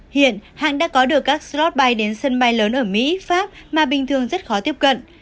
hiện hãng đã có được các slot bay đến sân bay lớn ở mỹ pháp mà bình thường rất khó tiếp cận